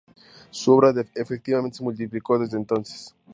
Su obra efectivamente se multiplicó desde entonces.